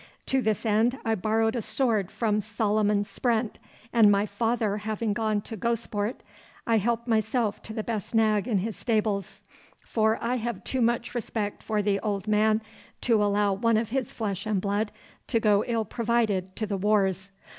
To this end I borrowed a sword from Solomon Sprent, and my father having gone to Gosport, I helped myself to the best nag in his stables for I have too much respect for the old man to allow one of his flesh and blood to go ill provided to the wars.